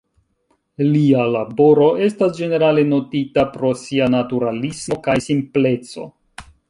Lia laboro estas ĝenerale notita pro sia naturalismo kaj simpleco.